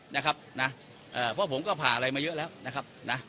นะครับนะเอ่อเพราะผมก็ผ่าอะไรมาเยอะแล้วนะครับนะ